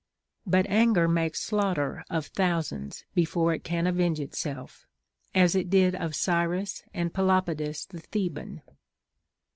But anger makes slaughter of thou sands before it can avenge itself, as it did of Cyrus and Pelopidas the Theban.